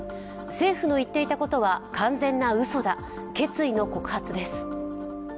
政府の言っていたことは完全なうそだ、決意の告発です。